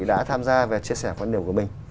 đã tham gia và chia sẻ quan điểm của mình